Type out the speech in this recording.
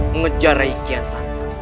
mengejar rai kiansanta